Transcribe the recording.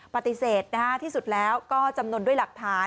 ปฏิเสธที่สุดแล้วก็จำนวนด้วยหลักฐาน